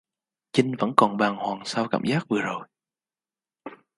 Chinh vẫn còn bàng hoàng sau cảm giác vừa rồi